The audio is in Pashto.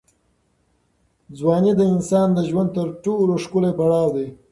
ځواني د انسان د ژوند تر ټولو ښکلی پړاو دی.